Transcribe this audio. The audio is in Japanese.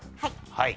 はい。